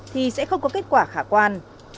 thì sẽ không có kết quả khả quan